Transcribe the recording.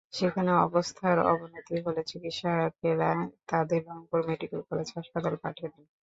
সেখানে অবস্থার অবনতি হলে চিকিৎসকেরা তাঁদের রংপুর মেডিকেল কলেজ হাসপাতালে পাঠিয়ে দেন।